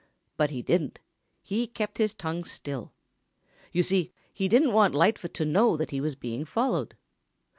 But he didn't. He kept his tongue still. You see, he didn't want Lightfoot to know that he was being followed.